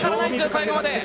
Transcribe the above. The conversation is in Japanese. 最後まで。